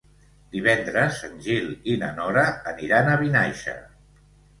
Divendres en Gil i na Nora aniran a Vinaixa.